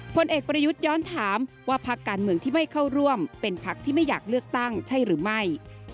ผลเอกประยุทธ์ย้อนถามว่าพักการเมืองที่ไม่เข้าร่วมเป็นพักที่ไม่อยากเลือกตั้งใช่หรือไม่